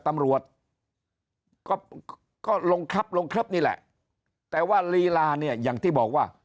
ตำรวจก็ก็ลงคลิปลงคลิปนี่แหละแต่ว่าลีลาเนี่ยอย่างที่บอกว่า